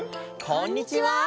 こんにちは。